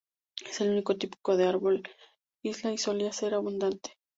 Es el único tipo de árbol en la isla y solía ser abundante.